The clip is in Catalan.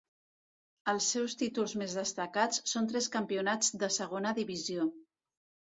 Els seus títols més destacats són tres campionats de segona divisió.